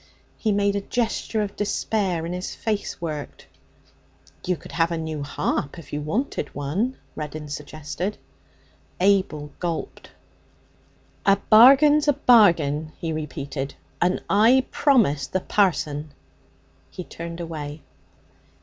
He made a gesture of despair and his face worked. 'You could have a new harp if you wanted one.' Reddin suggested. Abel gulped. 'A bargain's a bargain!' he repeated. 'And I promised the parson.' He turned away.